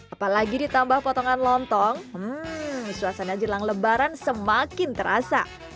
apalagi ditambah potongan lontong suasana jelang lebaran semakin terasa